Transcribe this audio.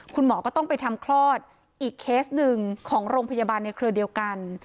คุณหมอก็ต้องไปทำคลอดอีกเคสหนึ่งของโรงพยาบาลในเครือเดียวกัน